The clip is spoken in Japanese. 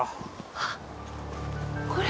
あっこれ？